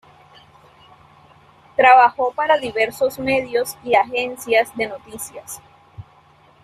Trabajó para diversos medios y agencias de noticias.